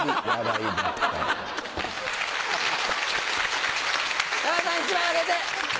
山田さん１枚あげて！